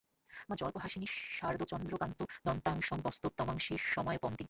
মা জল্প সাহসিনি শারদচন্দ্রকান্ত- দন্তাংশবস্তব তমাংসি সমাপয়ন্তি।